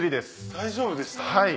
大丈夫でした？